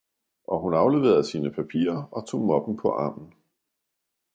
Og hun afleverede sine papirer og tog moppen på armen.